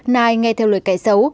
nai nghe theo lời kẻ xấu